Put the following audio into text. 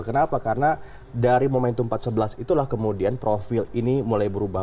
kenapa karena dari momentum empat sebelas itulah kemudian profil ini mulai berubah